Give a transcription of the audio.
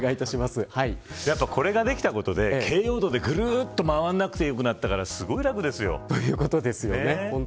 これができたことで京王道でぐるっと回らなくてよくなったからということですよね。